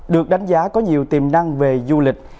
được đánh giá có nhiều tiềm năng về du lịch